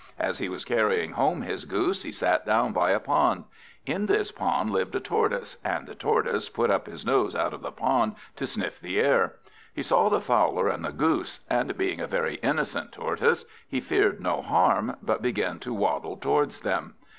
As he was carrying home his goose, he sat down by a pond. In this pond lived a Tortoise, and the Tortoise put up his nose out of the pond to sniff the air. He saw the Fowler and the Goose, and being a very innocent Tortoise, he feared no harm, but began to waddle towards them.